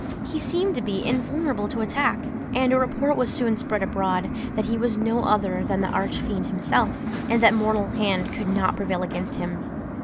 He seemed to be invulnerable to attack; and a report was soon spread abroad, that he was no other than the Arch Fiend himself, and that mortal hand could not prevail against him.